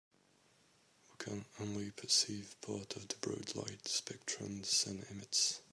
We can only perceive a part of the broad light spectrum the sun emits.